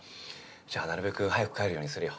じゃあなるべく早く帰るようにするよ。